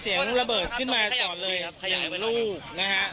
เสียงราเบิดขึ้นมาต่อเลยนิ้วรู้นะฮะ